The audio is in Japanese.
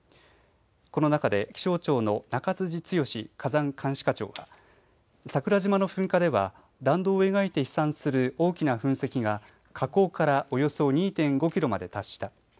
この中で気象庁の中辻剛火山監視課長は桜島の噴火では弾道を描いて飛散する大きな噴石が火口からおよそ２．５キロまで達した。